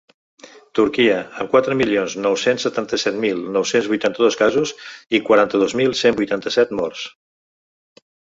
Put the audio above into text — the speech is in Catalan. Turquia, amb quatre milions nou-cents setanta-set mil nou-cents vuitanta-dos casos i quaranta-dos mil cent vuitanta-set morts.